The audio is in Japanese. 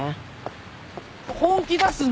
本気出すんで！